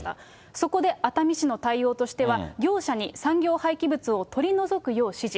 そこで熱海市の対応としては、業者に産業廃棄物を取り除くよう指示。